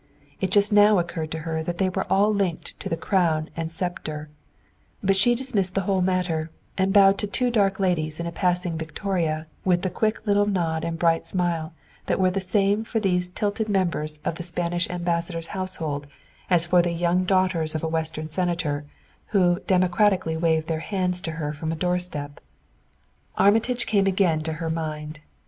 It just now occurred to her that they were all linked to the crown and scepter; but she dismissed the whole matter and bowed to two dark ladies in a passing victoria with the quick little nod and bright smile that were the same for these titled members of the Spanish Ambassador's household as for the young daughters of a western senator, who democratically waved their hands to her from a doorstep. Armitage came again to her mind.